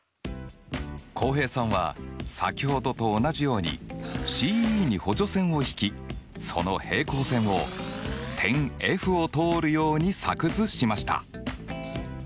浩平さんは先ほどと同じようにＣＥに補助線を引きその平行線を点Ｆを通るように作図しました！